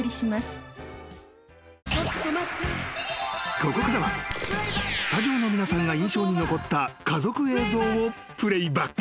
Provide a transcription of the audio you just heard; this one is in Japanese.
［ここからはスタジオの皆さんが印象に残った家族映像をプレーバック］